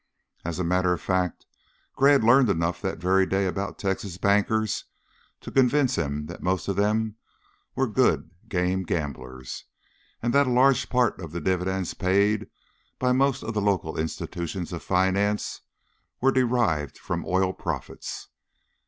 As a matter of fact, Gray had learned enough that very day about Texas bankers to convince him that most of them were good, game gamblers, and that a large part of the dividends paid by most of the local institutions of finance were derived from oil profits.